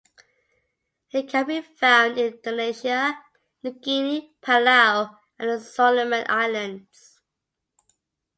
It can be found in Indonesia, New Guinea, Palau, and the Solomon Islands.